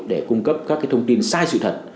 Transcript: để cung cấp các thông tin sai sự thật